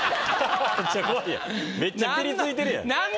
めっちゃピリついてるやん。